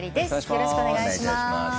よろしくお願いします。